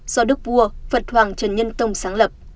do đức vua phật hoàng trần nhân tông sáng lập